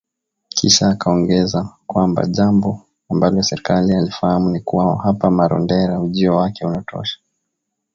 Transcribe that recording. Kisha akaongeza kwamba jambo ambalo serikali hailifahamu ni kuwa hapa Marondera, ujio wake unatosha”